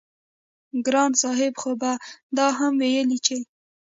ګران صاحب خو به دا هم وييل چې